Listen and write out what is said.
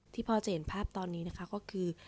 ที่พอจะเห็นภาพตอนนี้ก็คือ